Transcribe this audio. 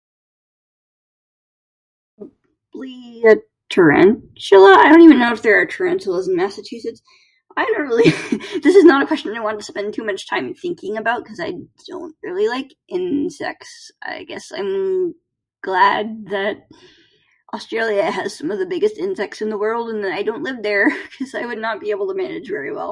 Probably... tarantula? I don't even know if there are tarantulas in Massachusetts. I don't really... This is not a question I wanted to spend too much time thinking about because I don't really like insects. I guess I'm glad that Australia has some of the biggest insects in the world and that I don't live there, cuz I would not be able to manage very well.